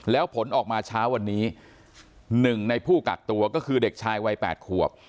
แล้วผลออกมาเช้าวันนี้๑ในผู้กักตัวก็คือเด็กชายวัย๘ขวบ